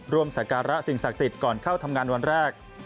สการะสิ่งศักดิ์สิทธิ์ก่อนเข้าทำงานวันแรก